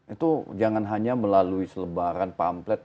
itu jangan hanya melalui selebaran pamplet